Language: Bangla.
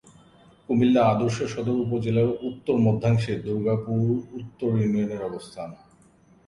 কুমিল্লা আদর্শ সদর উপজেলার উত্তর-মধ্যাংশে দুর্গাপুর উত্তর ইউনিয়নের অবস্থান।